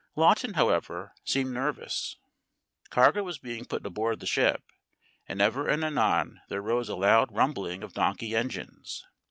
Lawton, however, seemed nervous. Cargo was being put aboard the ship, and ever and anon there rose a loud rumbling of donkey engines.